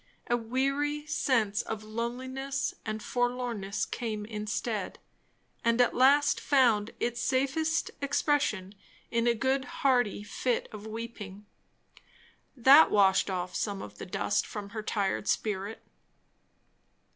A weary sense of loneliness and forlornness came instead, and at last found its safest expression in a good hearty fit of weeping. That washed off some of the dust from her tired spirit.